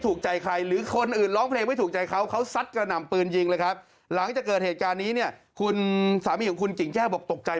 แต่คนนี้ผมเพิ่งเคยเห็นเขามาอยู่ที่นี่